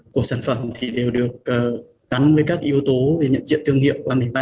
của sản phẩm đều được gắn với các yếu tố về nhận diện thương hiệu